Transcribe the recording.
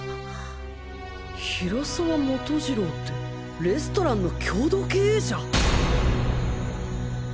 平沢基次郎ってレストランの共同経営者！？